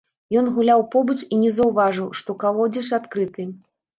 Ён гуляў побач і не заўважыў, што калодзеж адкрыты.